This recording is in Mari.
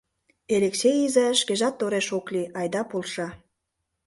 Элексей изай шкежат тореш ок лий, айда полша.